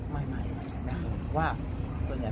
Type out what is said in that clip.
พี่พอแล้วพี่พอแล้ว